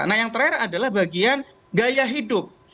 nah yang terakhir adalah bagian gaya hidup